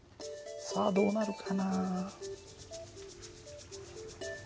さあどうなるかな？